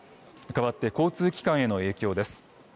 かわって交通機関への影響です。